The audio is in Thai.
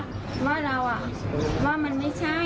เขาบอกว่าเขาไม่ได้รักว่าเราอะว่ามันไม่ใช่